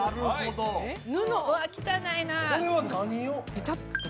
ケチャップとか。